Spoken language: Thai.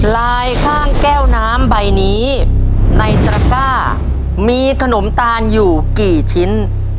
ข้างแก้วน้ำใบนี้ในตระก้ามีขนมตาลอยู่กี่ชิ้น